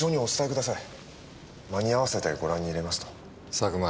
佐久間